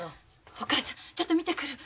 お母ちゃんちょっと見てくる。